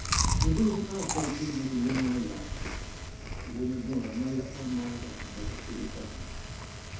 In the vehicle now approaching was the woman I loved, the woman whom I had made up my mind I should never see again.